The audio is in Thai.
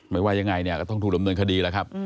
ไม่ว่ายังไงก็ต้องถูกลำเนินคดีละครับ